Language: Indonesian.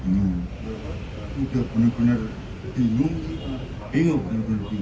nggak punya penyesalan